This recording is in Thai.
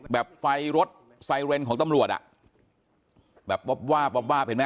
ไฟรถไซเรนของตำรวจอ่ะแบบวาบวาบวาบวาบเห็นไหม